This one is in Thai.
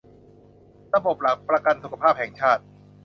ระบบหลักประกันสุขภาพแห่งชาติ